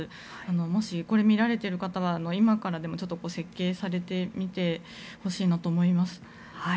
もし、これを見られている方は今からでも設計されてみてほしいなと思います。